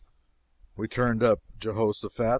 We turned up Jehoshaphat.